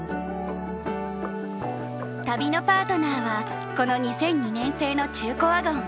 旅のパートナーはこの２００２年製の中古ワゴン。